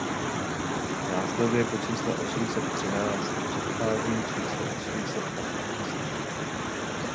Následuje po čísle osm set třináct a předchází číslu osm set patnáct.